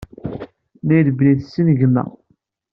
Tennayi-d belli tessen gma.